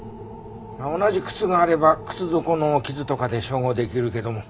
同じ靴があれば靴底の傷とかで照合できるけども。